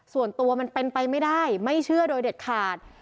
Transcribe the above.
ส่วนตัวมันเป็นไปไม่ได้ไม่เชื่อโดยเด็ดขาด